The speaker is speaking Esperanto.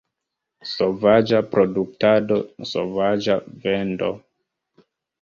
Sovaĝa produktado, sovaĝa vendo.